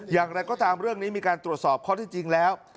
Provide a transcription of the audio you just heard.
อย่างไรก็ตามเรื่องนี้มีการตรวจสอบข้อที่จริงแล้ว